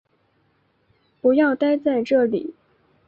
不要待在这里